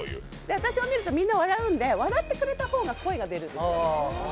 私を見るとみんな笑うんで笑った方が声が出るんです。